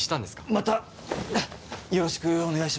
またあっよろしくお願いします。